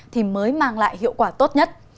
thì mới mang lại hiệu quả tốt nhất